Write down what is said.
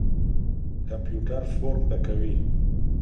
کمپيوټر فورم ډکوي.